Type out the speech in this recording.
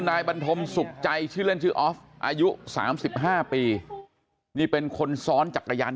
นายบันทมสุขใจชื่อเล่นชื่อออฟอายุ๓๕ปีนี่เป็นคนซ้อนจักรยาน